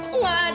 kok gak ada